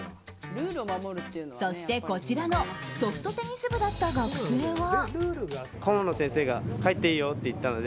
そして、こちらのソフトテニス部だった学生は。